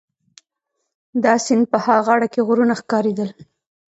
د سیند په ها غاړه کي غرونه ښکارېدل.